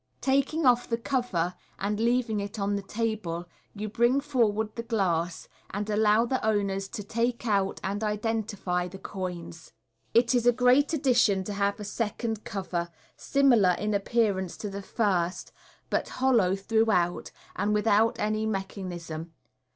Taking off the cover, and leaving it on the table, you bring forward the glass, and allow the owners to take out and identify the coins. It is a great addition to have a second cover, similar in appearance to the first, but hollow throughout, and without any mechanism.